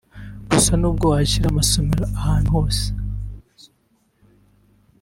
Gusa nubwo washyira amasomero ahantu hose